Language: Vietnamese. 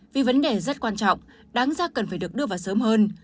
vì vấn đề rất quan trọng đáng ra cần phải được đưa vào sớm hơn